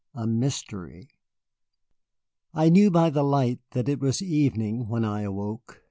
A MYSTERY I knew by the light that it was evening when I awoke.